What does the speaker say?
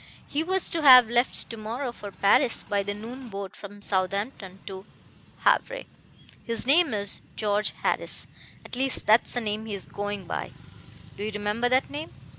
He was to have left to morrow for Paris by the noon boat from Southampton to Havre. His name is George Harris at least that's the name he is going by. Do you remember that name?'